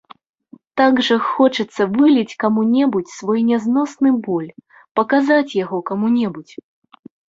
Так жа хочацца выліць каму-небудзь свой нязносны боль, паказаць яго каму-небудзь!